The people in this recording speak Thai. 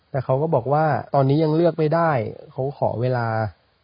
แต่เขาก็บอกว่าตอนนี้ยังเลือกไม่ได้เขาขอเวลา